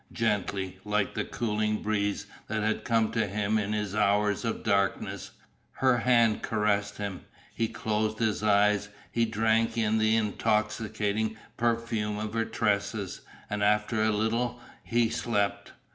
Gently, like the cooling breeze that had come to him in his hours of darkness, her hand caressed him. He closed his eyes; he drank in the intoxicating perfume of her tresses; and after a little he slept.